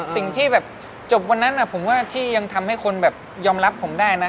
สิ่งที่แบบจบวันนั้นผมว่าที่ยังทำให้คนแบบยอมรับผมได้นะ